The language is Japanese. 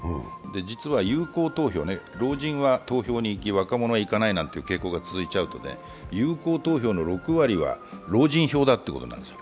実は有効投票、老人は投票に行き、若者は行かないなんていう傾向が続いちゃうとね、有効投票の６割は老人票だっていうことになるんです。